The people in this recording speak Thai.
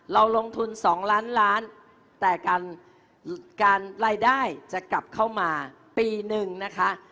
เราลงทุน๒ล้านล้านแต่การรายได้จะกลับเข้ามาปีนึงนะคะ